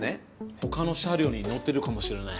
他の車両に乗ってるかもしれない。